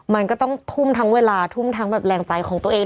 มันก็ต้องทุ่มทั้งเวลาทุ่มทั้งแบบแรงใจของตัวเอง